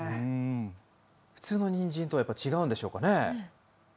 普通のにんじんとはやっぱり違うんでしょうかね。